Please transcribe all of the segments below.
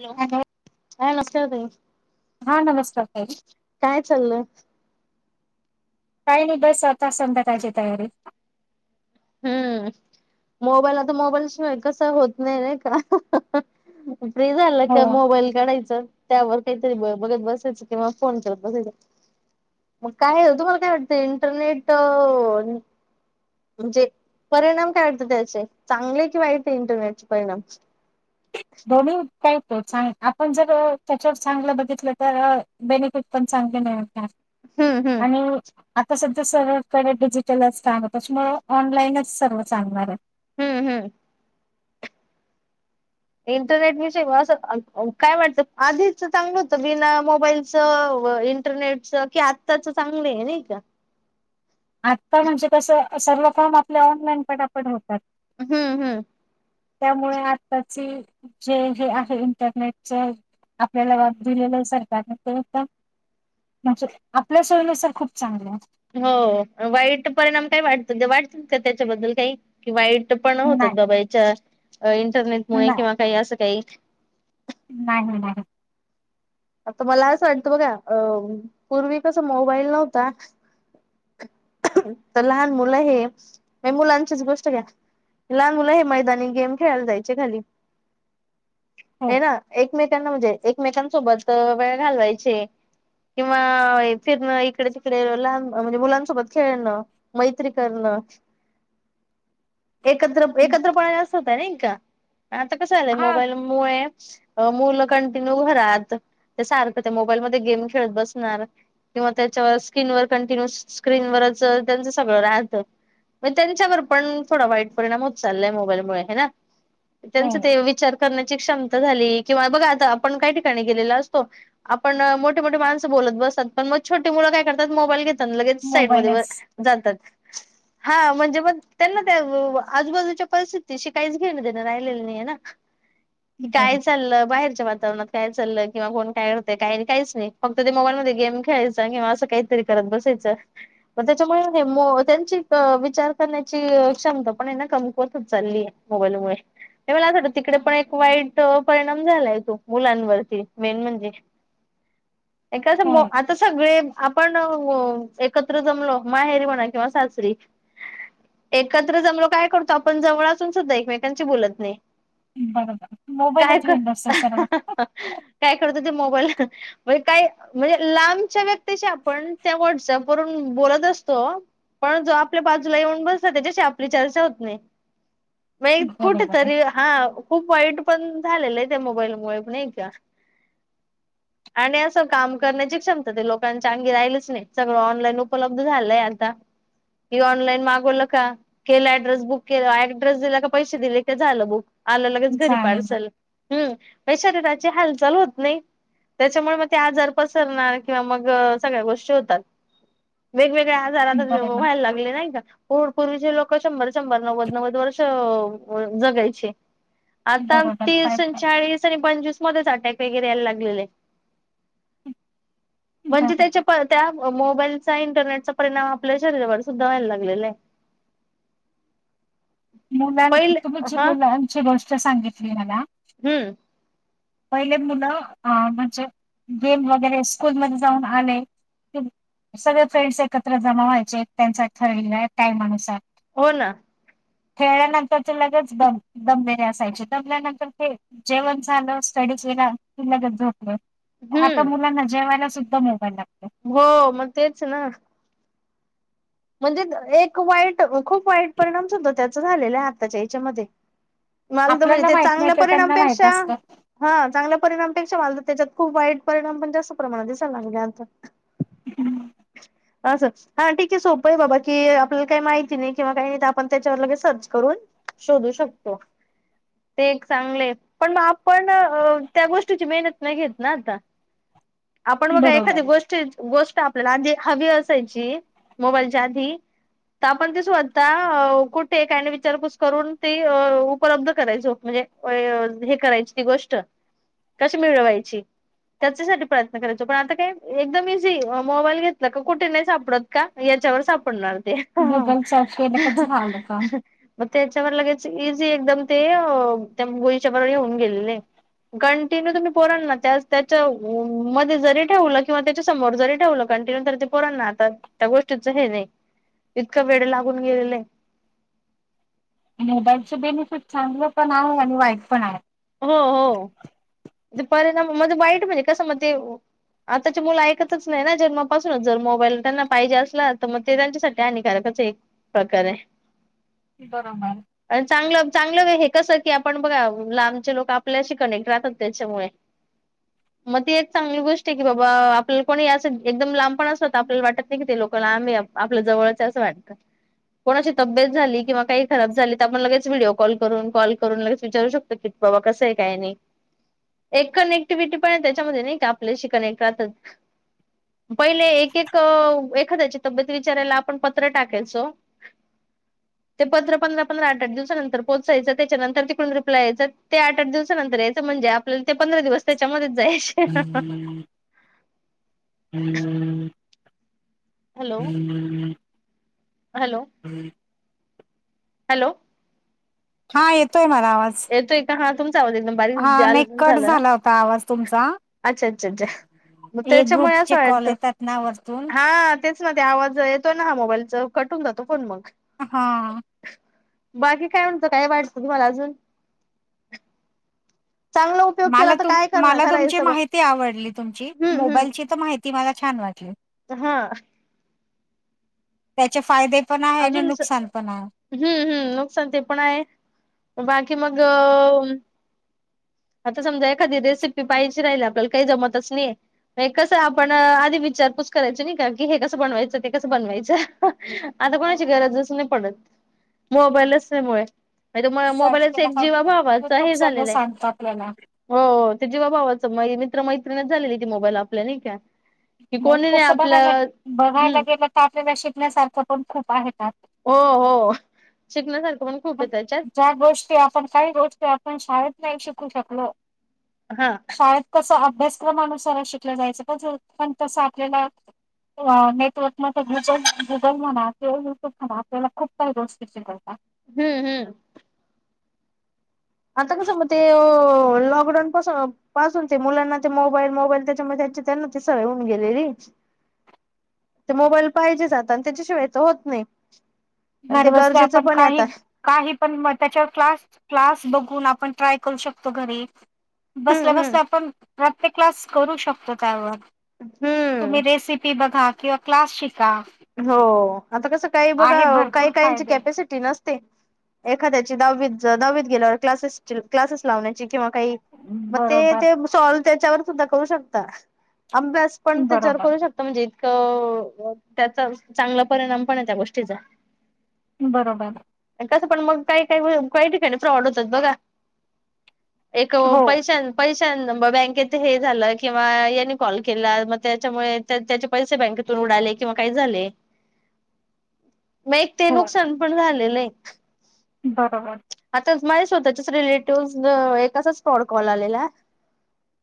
Hello हा नमकार तई हा नमस्कार ताई काय चाललय. काही नाही बस आवता समधा त्याची तयारी हम्म मोबाईल आ तर मोबाईलच कस होत नाही नाही का? फ्री झालं हो का मोबाईल काढायचं त्यावर काहीतरी ब बघत बसायचं किंवा फोन करत बसायचं. ग काय तुम्हाला काय वाटतं इंटरनेट. म्हणजे परिणाम काय वाटत त्याचे चांगले कि वाईट इंटरनेटचे परिणाम दोन का तो चां आपण जर त्याच्यावर चांगलं बघितलं तर बेनिफिट पण चांगते नाही का हम्म हम्म आणि आता सध्या सर्वकडे डिजिटलच टांग त्याच्यामुं ऑनलाईनच सर्व चांगणार आहे. हम्म हम्म. इंटरनेट विषयी असं काय वाटतं आधीच चांगलं होतं बिना मोबाईलच इंटरनेट च की आत्ताच चांगले आहे नाही का? आजता म्हणजे कसं सर्व फॉर्म आपल्या ऑनलाईन पट पठवतात. हम्म हम्म. त्यामुळे आत्ताची जे हे आहे इंटरनेटच आपल्याला बाब दिलेलं आहे सरकारने ते होत. आपल्या सोयीनुसार खूप चांगले आहे. हो वाईट परिणाम काय वाटत वाटत का त्याच्याबद्दल काही की वाईट. पणा आहे होतात नाही दबाईच्या इंटरनेटमुळे नाही किंवा काही असं काही. नाही नाही. आता मला असं वाटतं बघा अ पूर्वी कस मोबाईल नव्हता. तर लहान मुलं हे मुलांचीच गोष्ट घ्या. लहान मुलं हे मैदानी गेम खेळायला जायचे खाली. हे ना हो एकमेकांना म्हणजे एकमेकांसोबत वेळ घालवायची. किंवा फिरणं इकडे तिकडे लहान म्हणजे मुलांसोबत खेळणं. मैत्री करण. एकत्र एकत्र पणायला अस होतय नाही का आता कस आलंय हा मोबाईल मु मुलं कंटिन्यू घरात. ते सारखं ते मोबाईल म गेम खेळत बसणार. किंवा त्याच्यावर स्क्रीनवर कंटिन्युस स्क्रीनवरच त्यांचं सगळं राहतं. मग त्यांच्यावर पण थोडा वाईट परिणाम होच चाललाय मोबाईलमुळे ह ना. हो त्यांच ते विचार करण्याची क्षमता झाली किंवा बघा आता आपण काय ठिकाणी गेलेला असतो. आपण मोठे मोठी माणस बोलत बत पण मग छोटे मु काय करतात मोबाईल. लगेच साईड म मोबाईलच जातात. हा म्हणजे मग त्यांना त्या आजूबाजूच्या परिस्थितीशी काहीच घेण देणं राहिलेलं नाही आहे ना. क काय बरोबर चाललं बाहेरच्या वातावरणात काय चाललं. किंवा कोण काय करतते काही काहीच नाही फक्त ते मोबाईल मध्ये गेम खेळायचा किंवा असं काहीतरी करत बसायचं. म त्याच्यामुळे हे मो त्यांची विचार करण्याची क्षमता पणना कमकवतच चालली आहे. मोबाईलमुळे ते मला असं वाटत तिकडे पण एक वाईट परिणाम झाला आहे तो मुलांवरती मेन म्हणजे हो एं आता सगळे. आपण एकत्र जमलो माहेरी म्हणा किंवा सासरी एकत्र जमलो काय करतो आपण जवळ असून सुद्धा एकमेकांशी बोलत नाही. बरो बर मोबाईलचड असतो सर्व अच काय करतो ते मोबाईल. म्ह काय म्हणजे लांबच्या व्यक्तीचे आपण त्या व्हॉट्सअप वून बोलत असतो. पण जो आपल्या बाजूला येऊन बोलता त्याच्याशी आपली चर्चा होत नाही. म कुठ बरोबर आहे तरी हा खूप वाईट पण झालेलं आहे त्या मोबाईल मोबाईल पण नाही किं आणि असं काम करण्याची क्षमता ते लोकांच्या अंगी राहिलच नाही सगळं ऑनलाईन उपलब्ध झालंय आता. ह ऑनलाईन मागवलं का. केलं ऍड्रेस बुक केलं ऍड्रेस दिला का पैसे दिले ते झालं बुक. आल्यालगेच घरी चालेल पारसेल हम शरीराची हल्थ चालू होत नाही त्याच्यामुळे मग ते आजार पसरणार किंवा मग सगळ्या गोष्टी होतात.. वेगवेगळे्या आजार आता बरोबर व्हायला लागले नाही का. पूर पूर्वीचे लोक शंभर शंभर नव्वद नव्वद वर्ष जगायची. आता बरोबर तीस पाय पाय चाळीस आणि पंचवीस मध्येचठा. व ला म्हण बरोबर त्या. त्या मोबाईलचा इंटरनेटचा परिणाम आपल्या शरीरावर सुद्धा व्हायला लागलेला आहे. [unintelligible] मुलां पहिले तुमची हा मुलांची गोष्ट सांगितली मला. हम्म. पहिले मुलं अ म्हणजे गेम वगैरे स्कूलमध्येध्ये जाऊन आले. सगळे फ्रेंड्स एकत्र जमावा्हायचे त्यांचा ठरलेला आहे टाइम अनुसार. हो ना खेळल्यानंतर ते लगेच दम दभिरी असायची दमल्यानंतर खेळ. जेवण झाचालंस. सा वेला किल् झोपले आता हम्म मुलांना जेवायला सुद्धा मोबाईल लागत. हो मग तेच ना. म्हणजे एक वाईट खूप वाईट परिणाम सुद्धा त्याचा झालेला आहे आताच्या याच्यामध्येध्ये. मल तर म्हणजे आपल्याला ते माहित नाही चांगल्या त्यांना माहित परिणामपेक्षा. असतं. हा चांगल्या परिणामपेक्षा मालतात त्याच्यात खूप वाईट परिणाम पण जास्त प्रमाणात दिसाला लागे आता असं हा ठीक आहे सोप प बाबा की आपल्याला काही माहिती नाही किंवा काही नाही आपण त्याच्यावर लगे सर्च करून शोधू शकतो ते एक चांगले पण मग आपण त्या गोष्टीची मेहनत नाही घेत ना आता आपण बघा बरोबर एखादी आहे. गोष्टी गोष्ट आपल्याला आधी हवी असायची मोबाईलच्याधी तर आपण ते स्वतः कुठे काय आणि विचारपूस करून तेी उपलब्ध करायचो म्हणजे हे करायची ती गोष्ट कशी मिळवायची त्याच्यासाठी प्रयत्न करायचाो पण आता काय एकदम इझी मोबाईल घेतला का कुठे नाही सापडत का याच्यावर सापडणार ते गुगल सर्च केलं का झालं काम. मग त्याच्यावर लगेच इझी एकदम ते गोळीच्या ब येऊन गेलेले कंटिन्यू तुम्ही पोर त्या त्याच्या मध्ये जरी ठेवलं किंवा त्याच्या समोर जरी ठेवलं कंटिन्यू तर ते पोरण ना आता त्या गोष्टीच हे नाही इतकं वेळ लागून गेलेलं आहे नबाच बेनिफिट चांगलं पण आहे आणि वाईट पण आहे हो हो ते परणा मध्ये वाईट म्हणजे कसं मग ते. आताचे मुलं ऐकतच नाही ना जन्मापासूनच जर मोबाईल त्यांना पाहिजे असला तर मग ते त्यांच्यासाठी. त्याानिकारकच एक प्रकारे. बरोबर. चांगलं चांगलं हे कसं की आपण बघा लहान. लोक आपल्याशी कनेक्ट राहतात त्याच्यामुळे मग ती एक चांगली गोष्ट आहे की बाबा आपल्याला कोणी असं एकदम लांबपण असत आपल्याला वाटत नाही की ते लोकला आम्ही आपल्या जवळच असं वाटतं कोणाची तब्येत झाली किंवा काही खराब झाली तर आपण लगेच व्हिडिओ कॉल करून कॉल करून लगेच विचारू शकतो क बाबा कसं आहे काय नाही एक कनेक्टिव्हिटी पण आहे त्याच्यामध्ये नाही का आपल्याशी कनेक्ट राहतात पहिले एक एक एखाद्याची तब्येत विचारायला आपण पत्र टाकायचो ह ते पंरा पंधरा पंरा आठ आठ दिवसानंतर पोहोचायं त्याच्यानंतर तिकड रिप्लाय यायचं ते आठ आठ दिवसानंतर याच म्हणजे आपल्याला ते पंधरा दिवस त्याच्यामध्येच जायचे हम्म हॅलो हॅलो ह हॅलो हा येतोय मला आवाज येतोय का हा तुमच आव एकदम हा नाही बारीकल कट झालं ना झाला होता आवाज तुमचा. अच्छा अच्छा अच्छा मग हे त्याच्यामुळे ग्रुपचे असं कॉल वाटत येतात ना वरतून हा तेच ना ते आवाज येतो ना हा मोबाईलचा कटून जातो फोन मग हा बाकी काय म्हणतं काय वाटतं तुम्हाला अजून चांगला उपयोग मला केला तर काय करणार मला तुमची करायचं बघ. माहिती आवडली तुमची हम्म हम्म मोबाईलची माहिती मला छान वाटली हा त्याचे फायदे पण आहे आणि अजून स- नुकसान पण आहे हम्म हम्म नुकसान ते पण आहे बाकी मग आता समजा एखादी रेसिपी पाहाजची राहिल आपल्याला काही जमतच नाहीे कसं आपण आधी विचारपूस करायची नाही का की हे कसं बनवायचं ते कसं बनवायचं आता कोणाची हो. गरज अससं नाही पडत मोबाईलचल्यामुळे तुम सर्च मोबाईलाच केला एक का जीवा भावाचा युट्यूब हे सगळं झालेलं आहे सांगत आपल्याला. हो जीवाभावाची भावाच मित्र मैत्रिणीच झालेली ती मोबाईल आपल्या नाही का कि नाही कोणी तस बघायला आपलं बघायला हम्म गेलं तर आपल्याला शिकण्यासारखं पण खूप आहेतात. हो हो शिकण्यासारखं पण खूप येत त्याच्यात ज्या गोष्टी आपण काही गोष्ट आपण शाळेत नाही शिकू शकलो. हा शाळेत कस अभ्यासक्रमानुसार शिकलं जायचं पण तस आपल्याला नेटवर्क म गुगल गुगल म्हणा किंवा युट्यूब म्हणा आपल्याला खूप काही गोष्टी शिकवता हम्म हम्म आता कसं मग ते लॉकडाऊन पासून पासून ते मुलांना ते मोबाईल मोबाईल त्याच्यामध्ये त्याचे त्यांना ते स होऊन गेले रीच ते मोबाईल पाहिजे जात आणि त्याच्याशिवाय तर होत नाही आणि ते घरबसल्या गरजेचं आपण पण आहे काही आता काही पण त्याच्यावर क्लास क्लास बघून आपण ट्राय करू शकतो घरी बसला हम्म हम्म. बसलं आपण प्रत्यक्षात क्लास करू शकतो त्यावर तुम्ही हम्म रेसिपी बघा किंवा क्लास शिका हो आता कसं काही बघा आहे काही भरपूर काहीची फायदे कॅपॅसिटी नसते एखाद्याची दावीत दावीत गेल्यावर क्लासेस क्लासेस लावण्याची किंवा काही मग ते बरोबर ते सॉल्व त्याच्यावर सुद्धा करू शकता अभ्यास पण त्याच्यावर बरोबर करू शकत म्हणजे इतकं त्याचा चांगला परिणाम पण आहे त्या गोष्टीचा बरोबर कसं पण मग काही काही काही ठिकाणी प्रॉड होतात बघा एक हो पैश पैशां बँकेेत हे झालं किंवा या कॉल केला मग त्याच्यामुळे त्याचे पैसे बँकेतून उडाले किंवा काही झाले मग एक ते हो नुकसान पण झालेलं एक बरोबर आता माझ स्वतःच्याच रिलेटिव्ह एक अस स्पॉड कॉल आलेला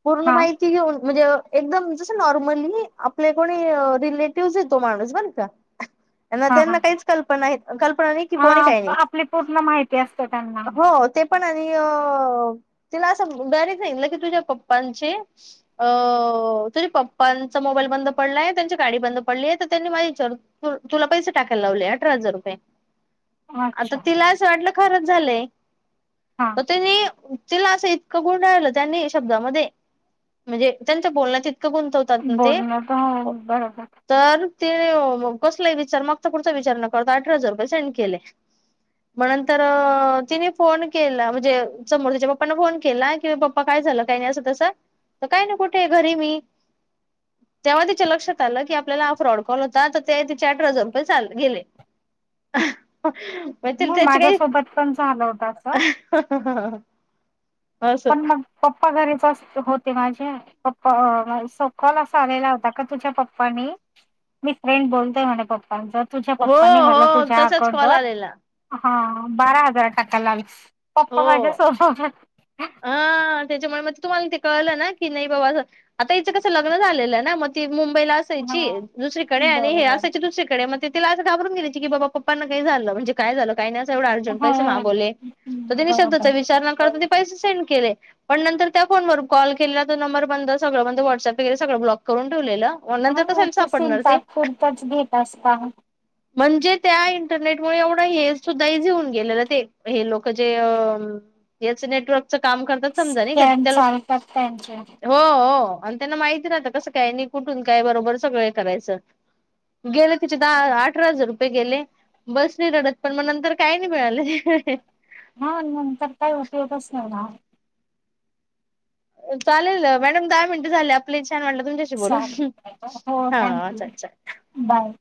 पूर्ण हा माहि की घेऊन म्हणजे एकदम जस नॉर्मली आपले कोणी रिलेटिव्हज येतो माणूस बर का हा हा त्यांना काहीच कल्पना कल्पना नाही कि कोणी काही नाही पूण माहिती त्या हो ते पण आणि अ तिला असं बरीच नाही की तुझ्या पप्पांचे अ तुझ्या पप्पांचा मोबाईल बंद पडलाय त्यांची गाडी बंद पडली आहे तर त्यांनी माझी विचारून त तुला पैसे टाकायला लावले अठरा हजार रुपये आता अच्छा तिलाच वाटलं खरच झालंय हा तर तिने तिला असं इतकं गुण राहिलं त्यांनी शब्दामध्ये म्हणजे त्यांच्या बोलण्यात इतकं गुंतवत त ते बोलणं तर हो, बरोबर तर तिने कसला विचार मग तर पुढचा विचार न करता अठरा हजार रुपये सेंड केले मगंतर तिने फोन केला म्हणजे समोर तिच्या पप्पाने फोन केला की पप्पा काय झालं काही नाही असं तस तर काय नाही कुठे घरी मी तेव्हा तिच्या लक्षात आलं की आपल्याला फ्रॉड कॉल आता ते तिचे अठरा हजार रुपये गेले म माझ्यासोबत पण झालं होत ह पण मग पप्पा घरीच होते माझ्या पप्पा सकल असा आलेला होता का तुझ्या पप्पानी मी फ्रेंड बोलतोय म्हणे पप्पांच तुझ्या हो पप्पनी म्हटलं हो तुझ्या तसाच कॉल अकाउंटवरर आलेला हा बारा हजार टाका ला आल पप्पा माझ्या सो हा त्याच्यामुळे मग तुम्हाला ते कळलं ना की नाही बाबा असं आता याचं कसं लग्न झालेलं ना मग ती मुंबईला हा य दुसरीकडे आणि हे बरोबर. असयची दुसरीकडे मग तला अस घबरून गेयची की बाबा पप्पांना काही झालं म्हणजे काय झालं काही नाही असं एवढा अर्जंट पैसे हां. मागवले तर त्यांनी शब्दाचा बरोबर. विचारणा करता ते पैसे सेंड केले पण नंतर त्या फोनवर कॉल केलेला तो नंबर बंद सगळं ब व्हॉट्सप वगैरेगळं ब्लॉक करून ठेवलेलं मग नंतर हा कशाला तू सापडणार शिंचा ते खुर्तच घीेत असता म्हणजे त्या इंटरनेटमुळे एवढं हे सुद्धा इझी होऊन गेलेलं ते हे लोक जे याच नेटवर्कच काम करतात समजा नाही का स्कॅम त्या लोक चालतात त्यांचे. हो हो आणि त्यांना माहिती नात कसं काय आणि कुठून काय बरोबर सगळं करायचं गेले तिचे दहा अठरा हजार रुपये गेले बस नाही रडत पण मग नंतर काय नाही मिळाले हा नंतर काय होतेेतच नाही ना चालेल मॅडम दहा मिनट झाले आपल्या छान वाटलं तुमच्या चालेल. ब हो, हा थँक यू. अच्छा अच्छा बाय